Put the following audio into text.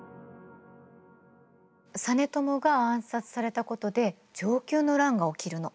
実朝が暗殺されたことで承久の乱が起きるの。